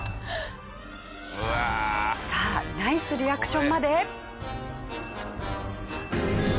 さあナイスリアクションまで。